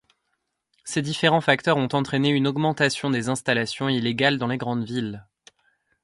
Ces différents facteurs ont entrainé une augmentation des installations illégales dans les grandes villes.